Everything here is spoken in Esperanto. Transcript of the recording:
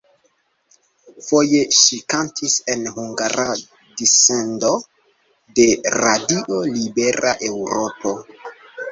Foje ŝi kantis en hungara dissendo de Radio Libera Eŭropo.